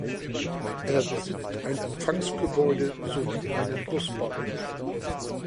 Er besitzt ein Empfangsgebäude, sowie einen Busbahnhof.